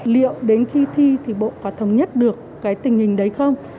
liệu đến khi thi thì bộ có thống nhất được cái tình hình đấy không